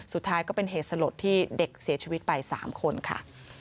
สุดท้ายก็เป็นเหตุสลดที่เด็กเสียชีวิตไป๓คนค่ะ